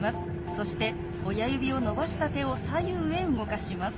そして親指を伸ばした手を左右へ動かします。